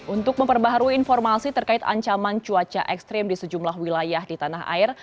untuk memperbaharui informasi terkait ancaman cuaca ekstrim di sejumlah wilayah di tanah air